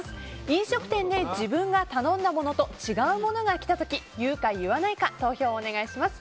飲食店で自分が頼んだものと違うものが来た時言うか言わないか投票をお願いします。